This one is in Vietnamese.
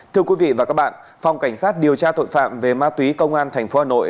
thưa quý vị và các bạn phòng cảnh sát điều tra tội phạm về ma túy công an tp hà nội